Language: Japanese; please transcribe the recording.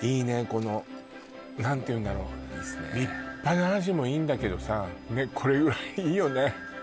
この何ていうんだろう立派なアジもいいんだけどさねっこれぐらいいいよね